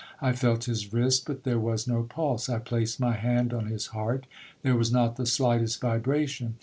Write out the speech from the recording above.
I felt his wrist but there was no pulse. I placed my hand on his heart—there was not the slightest vibration.